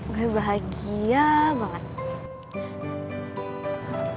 gue bahagia banget